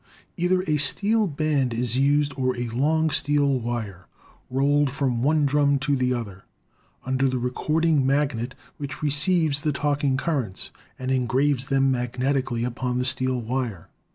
Either a steel band is used or a long steel wire rolled from one drum to the other under the recording magnet, which receives the talk ing currents and engraves them magnetically upon the steel wire.